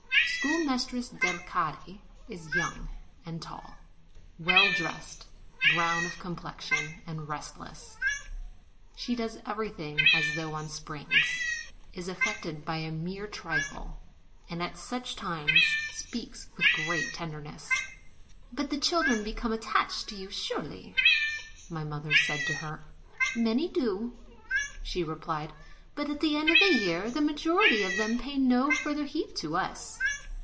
Schoolmistress Delcati is 32 NOVEMBER young and tall, well dressed, brown of complexion, and restless ; she does everything as though on springs, is affected by a mere trifle, and at such times speaks with great tenderness. "But the children become attached to you, surely/ 1 my mother said to her. "Many do," she replied ; "but at the end of the year the majority of them pay no further heed to us.